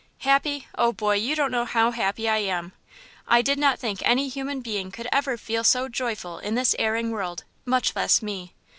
"Happy! Oh, boy, you don't know how happy I am! I did not think any human being could ever feel so joyful in this erring world, much less me!